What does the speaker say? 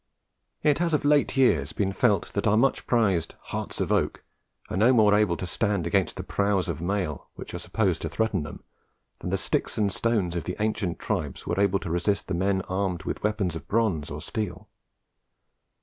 It has of late years been felt that our much prized "hearts of oak" are no more able to stand against the prows of mail which were supposed to threaten them, than the sticks and stones of the ancient tribes were able to resist the men armed with weapons of bronze or steel.